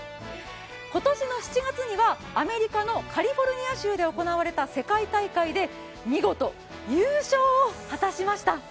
今年の７月にはアメリカのカリフォルニア州で行われた世界大会で見事優勝を果たしました。